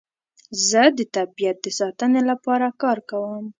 زه د طبیعت د ساتنې لپاره کار کوم.